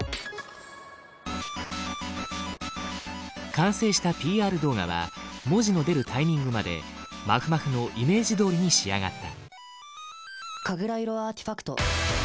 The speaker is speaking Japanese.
完成したＰＲ動画は文字の出るタイミングまでまふまふのイメージどおりに仕上がった。